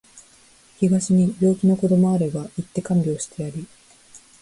東に病気の子どもあれば行って看病してやり